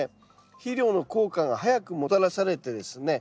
肥料の効果が速くもたらされてですね